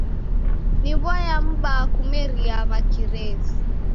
Ni w'aya m'baa kumeria wa kirezi!